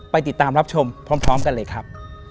ติดตามรับชมพร้อมกันเลยครับ